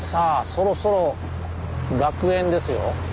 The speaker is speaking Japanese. そろそろ楽園ですよ。